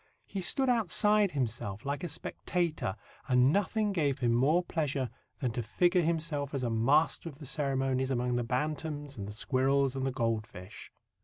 He stood outside himself, like a spectator, and nothing gave him more pleasure than to figure himself as a master of the ceremonies among the bantams, and the squirrels and the goldfish.